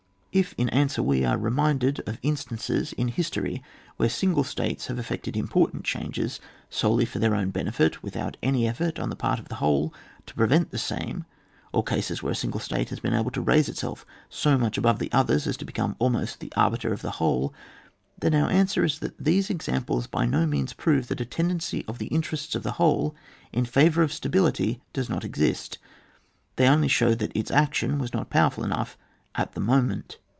If in answer we are reminded of in stances in histoiy where single states have effected important changes, solely for their own benefit, without any effort on the part of the whole to prevent the same, or cases where a single state has been able to raise itself so much above others as to become almost the arbiter of the whole, — then our answer is that these examples by no means prove that a ten dency of the interests of the whole in favour of stability does not exist, they only show that its action was not powerful enough at the moment.